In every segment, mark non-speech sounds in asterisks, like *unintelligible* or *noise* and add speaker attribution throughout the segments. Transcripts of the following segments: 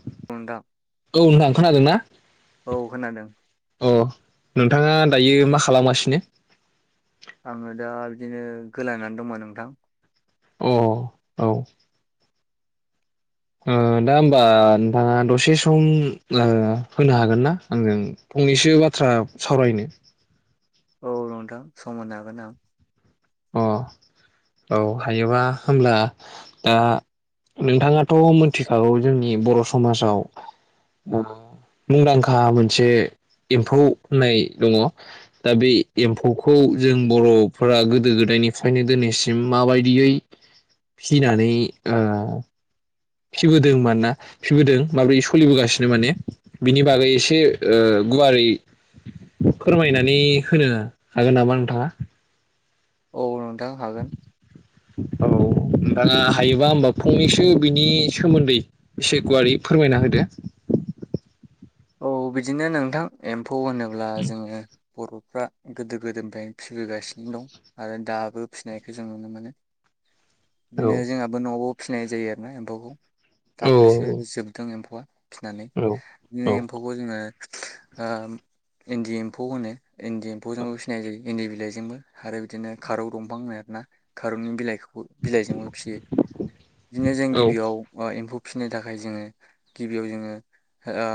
Speaker 1: औ नोंथां
Speaker 2: औ नोंथां खोनादोंना?
Speaker 1: औ खोनादों
Speaker 2: अ नोंथाङा दायो मा खालामासिनो?
Speaker 1: आङो दा बिदिनो गोलांनानै दङ नोंथां।
Speaker 2: अ औ ओ दा होमबा नोंथाङा दसे सम होनो हागोन ना आंजों फंनैसो बाथ्रा सावरायनो
Speaker 1: औ नोंथां सम होनो हागोन आं
Speaker 2: अ औ हायोबा होमब्ला दा नोंथाङाथ मोनथिखागौ जोंनि बर समाजाव ओ मुंदांखा मोनसे एम्फौ होननाय दङ दा बे एम्फौखौ जों बरफोरा गोदो गोदायनिफ्रायनो दिनैसिम माबायदियै फिसिनानै ओ फिसिबोदों मानोना फिबोदों माब्रै सोलिबोगासिनो माने बिनि बागै एसे ओ गुवारै फोरमायनानै होनो हागोन नामा नोंथाङा
Speaker 1: औ नोंथां हागोन
Speaker 2: औ नोंथाङा हायोबा होमबा फंनैसो बिनि सोमोन्दै एसे गुवारै फोरमायना होदो
Speaker 1: औ बिदिनो नोंथां एम्फौ होनोब्ला जोङो बरफ्रा गोदो गोदायनिफ्रायनो फिसिबोगासिनो दं आरो दाबो फिसिनायखौ जों नुनो मोनो
Speaker 2: औ
Speaker 1: बिदिनो जोंहाबो नआवबो फिसिनाय जायो आरो ना एम्फौखौ
Speaker 2: औ
Speaker 1: दाख्लिसो जोबदों एम्फौआ फिसिनानै
Speaker 2: औ
Speaker 1: बे
Speaker 2: औ
Speaker 1: एम्फौखौ जोङो ओ इन्दि एम्फौ होनो इन्दि एम्फौजोंबो फिसिनाय जायो इन्दि बिलाइजोंबो आरो बिदिनो खारौ दंफां होनो आरो ना खारौनि बिलाइखौ बिलाइजोंबो फिसियो बिदिनो जों
Speaker 2: औ
Speaker 1: गिबियाव ओ एम्फौ फिसिनो थाखाय जोङो गिबियाव जोङो ओ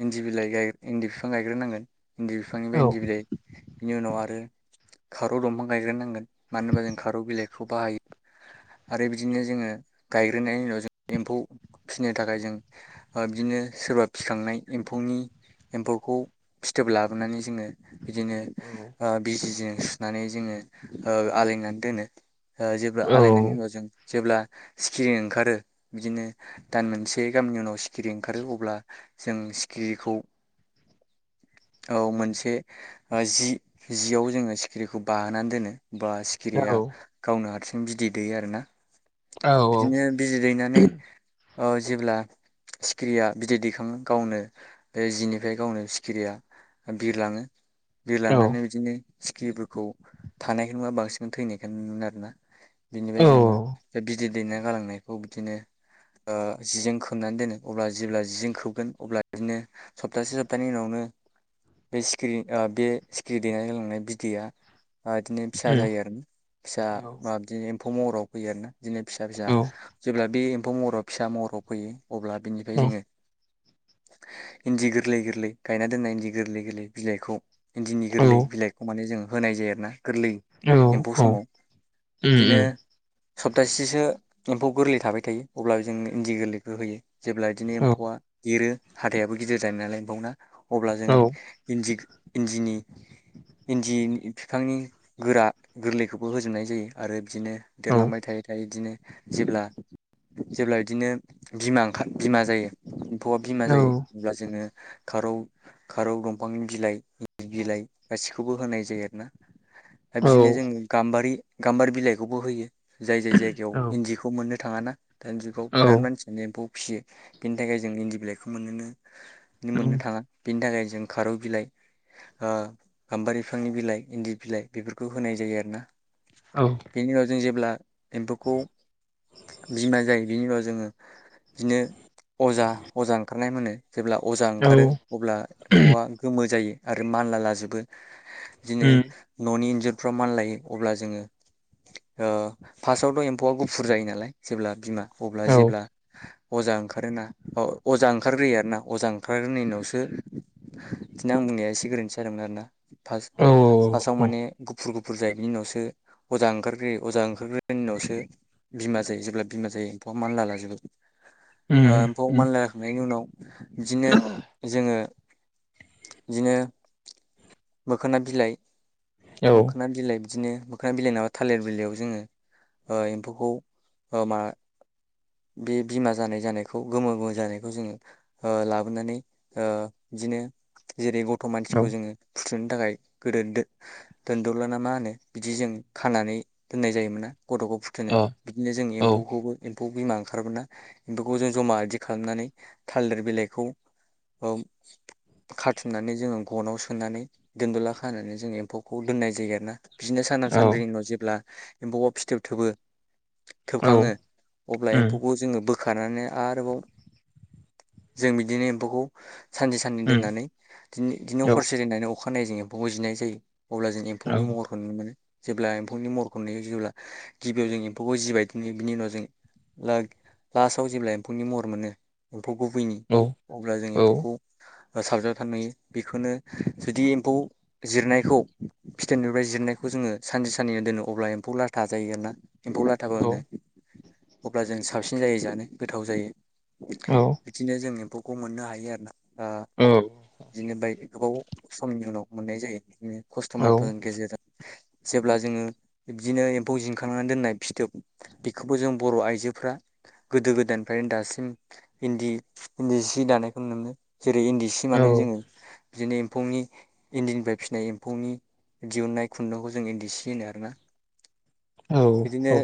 Speaker 1: इन्दि बिलाइ गाय इन्दि बिफां गायग्रोनांगोन इन्दि
Speaker 2: औ
Speaker 1: बिफांनिफ्राय इन्दि बिलाइ बिनि उनाव आरो खारौ दंफां गायग्रोनांगोन मानो होनबा जों खारौ बिलाइखौ बाहायो आरो बिदिनो जोङो गायग्रोनायनि उनाव जों एम्फौ फिसिनो थाखाय जों बिदिनो सोरबा फिसिखांनाय एम्फौनि एम्फौखौ फिथोब लाबोनानै जोङो बिदिनो ओ बिजिजों सुनानै जोङो ओ आलायनानै दोनो ओ जेब्ला
Speaker 2: औ
Speaker 1: आलायनायनि उनाव जों जेब्ला सिखिरि ओंखारो बिदिनो दान मोनसे गामनि उनाव सिखिरि ओंखारो अब्ला जों सिखिरिखौ औ मोनसे ओ जि जियाव जोङो सिखिरिखौ बाहोनानै दोनो बा
Speaker 2: औ
Speaker 1: सिखिरिया गावनो हारसिं बिदै दैयो आरोना
Speaker 2: औ
Speaker 1: बिदिनो बिदै दैनानै औ जेब्ला सिखिरिया बिदै दैख ओ गावनो जिनिफ्राय गावनो सिखिरिया बिरलाङो
Speaker 2: उम
Speaker 1: बिरलांनानै बिदिनो सिखिरिफोरखौ थानायखाय नुवा बांसिन थैनायखायनो *unintelligible* आरोना बिनिफ्राय जोङो जा गिदिर दैना गालांनायखौ बिदिनो ओ जिजों खोबनानै दोनो अब्ला जेब्ला जिजों खोब अब्ला बिदिनो सप्तासे सप्तानि उनावनो बे सिखिरि बे सिखिरि दैना गालांनाय बिदैया *unintelligible* बिदिनो फिसा जायो आरोना फिसा बा बिदिनो महराव फयो आरो ना बिदिनो फिसा फिसा जेब्ला बे महराव फिसा महराव फैयो अब्ला बिनिफ्राय जोङो इन्दि गोरलै गोरलै गायना दोननाय इन्दि गोरलै गोरलै बिलाइखौ इन्दिनि
Speaker 2: औ
Speaker 1: गोरलै बिलाइखौ माने जोङो होनाय जायो आर ना गोरलै
Speaker 2: औ
Speaker 1: एम्फौ
Speaker 2: औ
Speaker 1: समाव
Speaker 2: उम
Speaker 1: बिदिनो
Speaker 2: उम
Speaker 1: सप्तासेसो एम्फौ गोरलै थाबाय थायो अब्लाबो जों इन्दि गोरलैखौ होयो जेब्ला बिदिनो
Speaker 2: औ
Speaker 1: एम्फौआ एरो हाथायाबो गिदिर *unintelligible* *unintelligible* अब्ला जों
Speaker 2: औ
Speaker 1: इन्दि इन्दिनि इन्दि फिफांनि गोरा गोरलैखौबो होजोबनाय जायो आरो बिदिनो
Speaker 2: औ
Speaker 1: देरलांबाय थायै थायै बिदिनो जेब्ला जेब्ला बिदिनो बिमा ओंखार बिमा जायो *unintelligible* बिमा जायो अब्ला जोङो खारौ खारौ दंफांनि बिलाइ बिलाइ गासि *unintelligible* खौबो होनाय जायो आरो ना
Speaker 2: औ
Speaker 1: बिदिनो जोङो गाम्बारि गाम्बारि बिलाइखौबो होयो जाय जाय जायगायाव
Speaker 2: औ
Speaker 1: इन्दिखौ मोननो थाङा ना दानि जुगाव
Speaker 2: औ
Speaker 1: बिराद मानसिया एम्फौ फियो बेनि थाखाय जों इण्डि बेलेगखौ मोननोनो
Speaker 2: उम
Speaker 1: मोननो थाङा बेनि थाखाय जों खारौ बिलाइ ओ गाम्बारि बिफांनि बिलाइ इन्दि बिलाइ बेफोरखौ होनाय जायो आरो ना
Speaker 2: औ
Speaker 1: बेनि उनाव जों जेब्ला एम्फौखौ बिमा जायो बिनि उनाव जोङो बिदिनो अजा खारनाय मोनो जेब्ला अजा
Speaker 2: औ
Speaker 1: ओंखारो अब्ला एम्फौआ गोमो जायो आरो मानला लाजोबो बिदिनो
Speaker 2: उम
Speaker 1: ननि इन्जुर फोराव मानलायो अब्ला जोङो फार्स्टआवथ एम्फौआ गुफुर जायो नालाय जेब्ला बिमा अब्ला
Speaker 2: औ
Speaker 1: जेब्ला अजा ओंखारोना अ अजा ओंखारग्रोयो आरोना अजा ओंखारग्रोनाय उनावसो बिदिनो आं बुंनाया एसे गोरोन्थि जादोंमोन आरोना फास
Speaker 2: औ
Speaker 1: फास आव माने गुफुर गुफुर गुफुर जायैनि उनावसो अजा ओंखारग्रोयो अजा ओंखारग्रोनाय उनावसो बिमा जायो जेब्ला बिमा जायो एम्फौआ मानला लाजोबो
Speaker 2: उम
Speaker 1: ओ एम्फौ
Speaker 2: उम
Speaker 1: मानला उनाव बिदिनो जोङो बिदिनो मोखोना बिलाइ
Speaker 2: औ
Speaker 1: मोखोना बिलाइ बिदिनो मोखां बिलाइ नाबा थालिर बिलाइयाव जोङो ओ एम्फौखौ माबा बे बिमा जानाय जानायखौ गोमो गोमो जानायखौ बेखौ जोङो ओ लाबोनानै ओ बिदिनो जेरै गथ
Speaker 2: औ
Speaker 1: मानसिखौ जोङो फुत फुथुनो थाखाय गोदो दोनदौलाना मा होनो बिदि जों खानानै दोननाय जायोमोन ना गथखौ
Speaker 2: अ
Speaker 1: फुथुनो बिदिनो जों
Speaker 2: औ
Speaker 1: एम्फौखौबो एम्फौ बिमा ओंखारबोना बेफोरखौ जों जमा बिदि खालामनानै थालिर बिलाइखौ खाथुमनानै जोङो गनाव सोनानै दोनदला खानानै जोङो एम्फौखौ दोननाय जायो आरो ना बिदिनो साना
Speaker 2: औ
Speaker 1: सानब्रैनि उनाव जेब्ला एम्फौ आव फिथोब थोबो
Speaker 2: औ
Speaker 1: थोबखाङो अब्ला
Speaker 2: उम
Speaker 1: एम्फौखौ जोङो बो होखानानैनो आरोबाव जों बिदिनो एम्फौखौ सानसे साननै
Speaker 2: उम
Speaker 1: दोननानै दिनो दिनो
Speaker 2: औ
Speaker 1: हरसे दोननानै अ अखानायजों एम्फौखौ जिनाय जायो अब्ला जों
Speaker 2: औ उम औ उम औ उम औ
Speaker 1: एम्फौनि महरखौ नुनो मोनो जेब्ला एम्फौनि महरखौ नुयो जेब्ला गिबियाव जों एम्फौखौ जिबायदिनो बिनि उनाव जों लास्टआव जेब्ला एम्फौनि महर मोनो एम्फौ गुबैनि अब्ला जों एम्फौखौ साबजाबथार नुयो बेखौनो जुदि एम्फौ जिरनायखौ फिथाइनिफ्राय जिरनायखौ जोङो सानसे साननै दोनो अब्ला एम्फौ लाथा जायो आरो ना एम्फौ लाथाबो
Speaker 2: औ
Speaker 1: होनो अब्ला जों साबसिन जायो जानो गोथाव जायो। बिदिनो जों एम्फौ खौ मोननो हायो आरो ना। बिनिफ्राय गोबाव समनि उनाव मोननाय जायो बिदिनो। खस्थ' मसथ'नि गेजेरजों जेब्ला जोङो बिबदिनो एम्फौ जिनखांनानै दोननाय फिथोब बेखौबो जों बर' आइजोफ्रा गोदो गोदायनिफ्रायनो दासिम इन्दि इन्दि सि दानायखौ नुनो जेरै इन्दि सि मानो जोङो बिदिनो एम्फौनि इन्दिनिफ्राय फिसिनाय एम्फौनि दिहुनन्नाय खुन्दुंखौ जों इन्दि सि होनो आरोना
Speaker 2: औ
Speaker 1: बिदिनो
Speaker 2: औ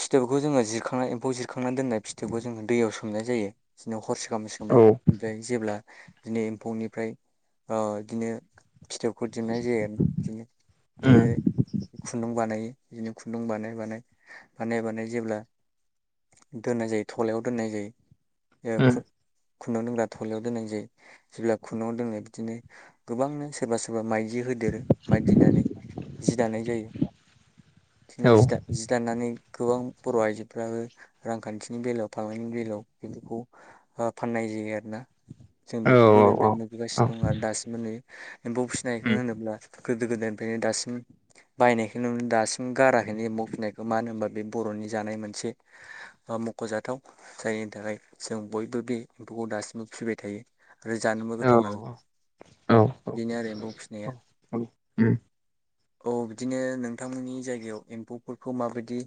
Speaker 1: फिथोबखौ जोङो जिरखांनानै एम्फौ जिरखांनानै दोननाय थेवबो जोङो दैयाव सोंनाय जायो बिदिनो हरसे ओमफ्राय जेब्ला बिदिनो एम्फौनिफ्राय ओ बिदिनो फिथोबखौ दिहुन्नाय जायो आरो बिदिनो बिदिनो खुन्दुं बानायो। बिदिनो खुन्दुं बानाय बानाय बानाय बानाय जेब्ला दोननाय जायो। थलायाव दोननाय जायो। ए खुन्दुुं दोनग्रा थलायाव दोननाय जायो जेब्ला खुन्दुंआव दोननाय बिदिनो गोबांनो सोरबा सोरबा माइ माइनि होदेरो मायदि होननानै जि दानाय जायो बिदिनो जि दानानै गोबां बर' आइजोफ्राबो रांखान्थि नि बेलायाव फालांगिनि बेलायाव बिखौ फाननाय जायो आरोना। जों बेखौ गोदोनिफ्राय नुबोगासिनो दं आरो दासिमबो नुयो एम्फौ फिसिनायखौ होनोब्ला गोदो गोदायनिफ्रायनो दासिम बायनायखौ नुयो दासिम गाराखैनो एमफौ फिसिनायखौ मानो होनबा बे बर'नि जानाय मोनसे ख'जाथाव जायनि थाखाय जों बयबो बे एम्फौखौ दासिमबो फिबाय थायो। आरो जानोबो गोथाव नालाय बेनो आरो एम्फौ फिसिनाया औ बिदिनो नोंथांमोननि जायगायाव एम्फौफोरखौ माबायदि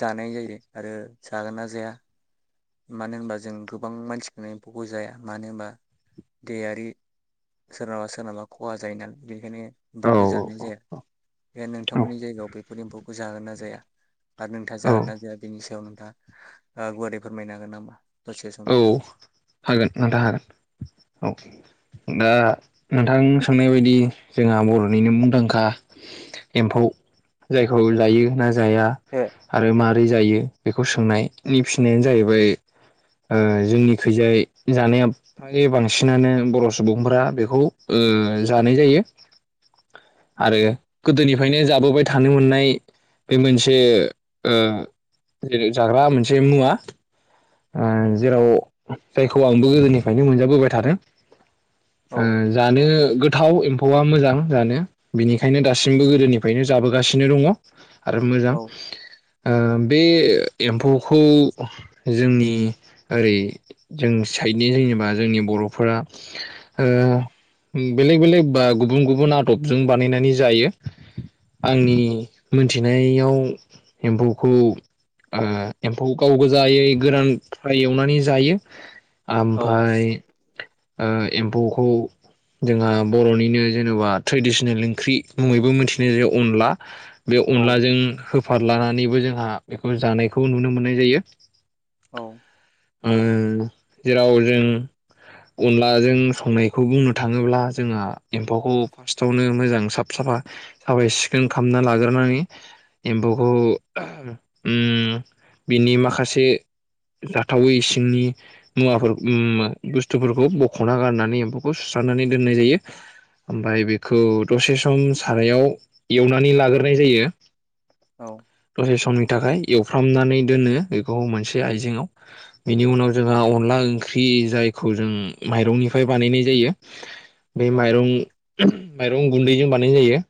Speaker 1: जानाय जायो आरो जागोन ना जाया मानो होनबा जों गोबां मानसिखौनो एमफौखौ जाया मानो होनबा देहायारि सोरनाबा सोरनाबा खहा जायो नालाय बेनिखायनो एम्फौखौ जानाय जाया बे नोंथांमोननि जायगायाव बेफोर एम्फौखौ जागोन ना जाया? आरो नोंथा जागोन ना जाया बेनि सायाव नोंथां हा ओ गुवारै फोरमायनो हागोन नामा? दसे सम?
Speaker 2: औ हागोन नोंथां हागोन औ। दा नोंथां सोंनाय बायदि जोंहा बर'निनो मुंदांखा एम्फौ जायखौ जायो ना जाया
Speaker 1: ए
Speaker 2: आरो माद रै जायो बेखौ सोंनायनायनि फिसिनायानो जाहैबाय। ओ जोंनि खैजाय जानाया फ्राय बांसिनानो बर' सुबुंफोरा बेखौ ओ जानाय जायो। आरो गोदोनिफायनो जाबोबाय थानो मोननाय बे मोनसे ओ जेरै जाग्रा मोनसे मुवा। ओ जेराव जायखौ आंबो गोदोनिफ्रायनो मोनजाबोबाय थादों।
Speaker 1: औ
Speaker 2: ओ जानो गोथाव एम फौआ मोजां जानो बिनिखायनो दासिमबो गोदोनिफ्रायनो जाबोगासिनो दङ। आरो मोजां
Speaker 1: औ
Speaker 2: ओ बे एम्फौखौ जोंनि ओरै जोंनि साइदनि जेनेबा जोंनि बर'फोरा ओ बेलेग बेलेग बा गुबुन गुबुन आदबजों बानायनानै जायो आंनि मोनथिनायाव एम्फौखौ ओ एम्फौ गाव गोजायै गोरान फ्राय एवनानै जायो।
Speaker 1: औ
Speaker 2: आमफाय ओ एम्फौखौ जोंहा बर'निनो जेनबा ट्रेडिसनेल ओंख्रि मुङैबो मिथिनाय जायो अनला बे
Speaker 1: औ
Speaker 2: अनलाजों होफ फारलानानैबो जोंहा बेखौ जानायखौ नुनो मोननाय जायो।
Speaker 1: औ
Speaker 2: उम जेराव जों अनलाजों संनायखौ बुंनो थाङोब्ला जोंहा एम्फौखौ फास्टावनो मोजां साफ साफा साफाय सिखोन खालामना लाग्रोनानै एम्फौखौ उम बिनि माखासे थावै सिंनि मुवाफोर उम बुस्थुफोरखौ बख'ना गारनानै एम्फौखौ सुस्रांनानै दोननाय जायो ओमफाय बेखौ दसे सम सारायाव एवनानै लाग्रोनाय जायो।
Speaker 1: औ
Speaker 2: दसे सनि थाखाय एवफ्रामनानै दोनो बेखौ मोनसे आइजेंङाव‌। बेनि उनाव जोंहा अनला ओंख्रि जायखौ जों माइरंनिफ्राय बानायनाय जायो। बे
Speaker 1: औ
Speaker 2: माइरं माइरं गुन्दैजों बानायनाय जायो।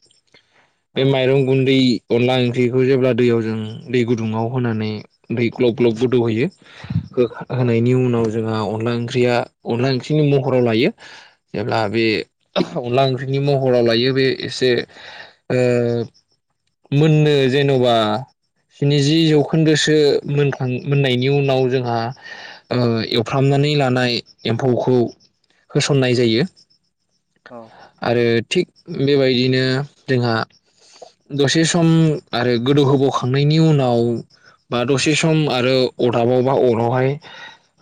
Speaker 2: बे माइरं गुन्दै अनला ओंख्रिखौ जेब्ला दैयाव जों दै गुदुङाव होनानै दै ग्लब ग्लब गोदौहयो अब *inaudible* खोखा
Speaker 1: औ
Speaker 2: होनायनि उनाव जोंहा अन बो ओंख्रिया अनला ओंख्रिनि महराव लायो जेब्ला बे अनला ओंख्रिनि महराव लायो बे ऐसे ओ मोननो जेनबा स्निजि जौखोन्दो मोनखां मोननाय नि उनाव जोंहा ओ एवफ्रामनानै लानाय एम्फौखौ होसननाय जायो।
Speaker 1: औ
Speaker 2: आरो थिक बेबायदिनो जोंहा दसे सम आरो गोदौहोबावखांनायनि उनाव बा दसे सम आरो अदाबाव बा अरावहाय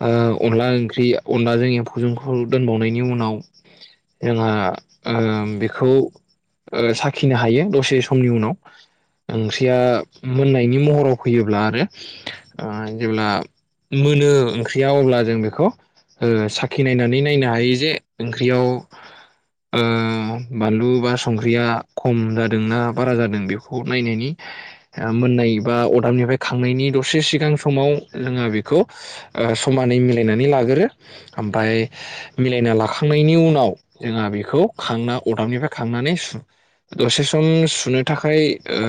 Speaker 2: ओ अनला ओंख्रि अनलाजों एम्फौजोंखौ दोनबावनायनि उनाव जोंहा ओ बेखौ ओ साखिनो हायो दसे समनि उनाव ओंख्रिया मोननायनि महराव फैयोब्ला आरो ओ जेब्ला मोनो ओंख्रिया अब्ला जों बेखौ ओ साखि नायनानै नायनो हायो जे ओंख्रियाव ओ बानलु बा संख्रिया खम जादोंनाा बारा जादों बेखौ नायनायनि ओ मोननाय बा अरदाबनिफ्राय खांनायनि दसे सिगां स समाव जोंङा बेखौ ओ समानै मिलायनानै लागोरो ओमफाय
Speaker 1: औ
Speaker 2: मिलायना लाखांनायनि उनाव जोंहा बेखौ खांना अदाबनिफ्राय खांनानै सु दसे सम सुनो थाखाय ओ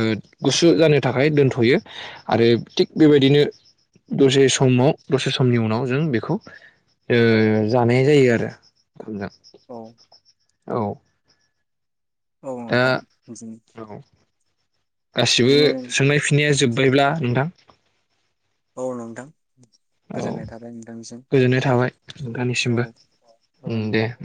Speaker 2: गुसु जानो थाखाय दोनथयो आरो थिग बेबायदिनो दसे समाव दसे समनि उनाव जों बेखौ ओ जानाय जायो आरो ओंखामजों
Speaker 1: औ
Speaker 2: औ दा
Speaker 1: नोंथां बिदिनो
Speaker 2: औ गासिबो
Speaker 1: बिदिनो
Speaker 2: सोंनाय फिन्नाया जोब्बायब्ला नोंथां?
Speaker 1: औ नोंथां
Speaker 2: औ
Speaker 1: गोजोननाय थाबाय नोंथांसिम,
Speaker 2: गोजोननाय थाबाय
Speaker 1: औ
Speaker 2: नोंथांनिसिमबो
Speaker 1: औ
Speaker 2: उम
Speaker 1: नोंथां।
Speaker 2: दे